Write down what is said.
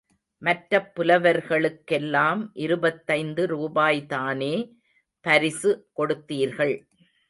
மற்றப் புலவர்களுக்கெல்லாம் இருபத்தைந்து ரூபாய்தானே பரிசு கொடுத்தீர்கள்.